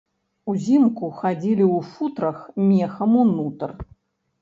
Узімку хадзілі ў футрах мехам унутр.